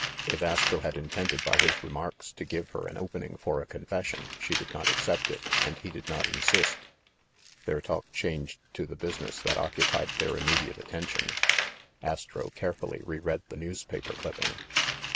If Astro had intended by his remarks to give her an opening for a confession, she did not accept it, and he did not insist. Their talk changed to the business that occupied their immediate attention. Astro carefully reread the newspaper clipping.